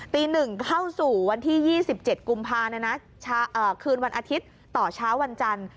ตี๑เข้าสู่วันที่๒๗กุมภาคืนวันอาทิตย์ต่อเช้าวันจันทร์